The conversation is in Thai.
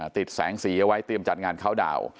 ติดแสงสีไว้เตรียมจัดงานเค้าดาว